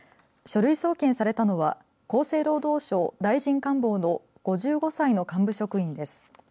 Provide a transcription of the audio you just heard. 書類送検されたのは厚生労働省大臣官房の５５歳の幹部職員です。